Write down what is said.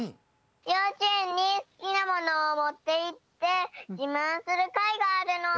ようちえんにすきなものをもっていってじまんするかいがあるの。